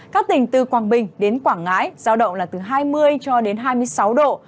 các tỉnh từ quảng bình đến quảng ngãi giao động là từ hai mươi cho đến hai mươi sáu độ